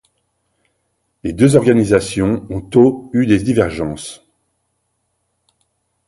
Les deux organisations ont tôt eu des divergences.